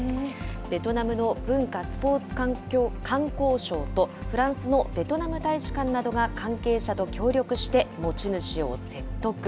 ベトナムの文化スポーツ観光省とフランスのベトナム大使館などが関係者と協力して持ち主を説得。